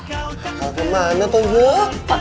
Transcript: kau ke mana tuh gue